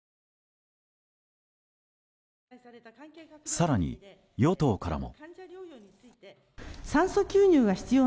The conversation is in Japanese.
更に、与党からも。